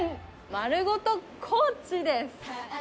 まるごと高知です！